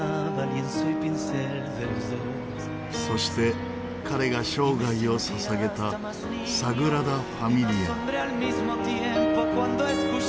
そして彼が生涯を捧げたサグラダ・ファミリア。